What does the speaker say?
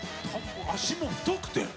足も太くて。